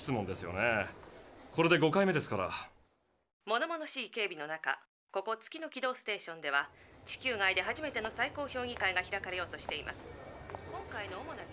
「ものものしい警備の中ここ月の軌道ステーションでは地球外で初めての最高評議会が開かれようとしています」。